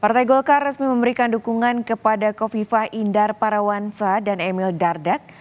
partai golkar resmi memberikan dukungan kepada kofifah indar parawansa dan emil dardak